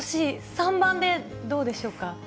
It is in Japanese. ３番で、どうでしょうか。